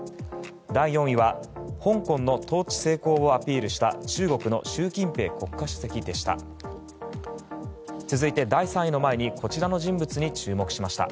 第４位は香港の統治成功をアピールした中国の習近平国家主席でした。